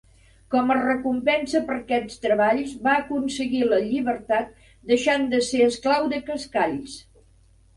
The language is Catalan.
Com a recompensa per aquests treballs va aconseguir la llibertat deixant d'ésser esclau de Cascalls.